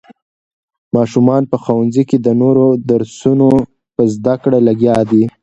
ماشومان په ښوونځي کې د نوو درسونو په زده کړه لګیا دي.